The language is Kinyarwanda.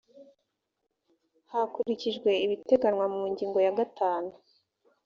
hakurikijwe ibiteganywa mu ngingo ya gatanu